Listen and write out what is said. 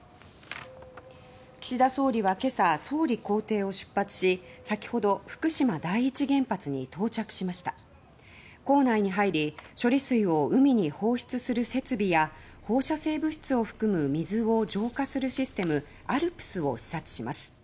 岸田総理は今朝総理公邸を出発し先ほど福島第１原発構内に入り処理水を海に放出する設備や放射性物質を含む水を浄化するシステムＡＬＰＳを視察します。